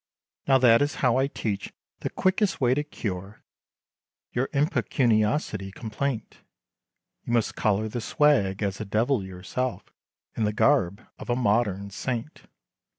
"Now that is how I teach, the quickest way to cure, Your impecuniosity complaint, You must collar the swag, as a Devil yourself, In the garb, of a modern saint.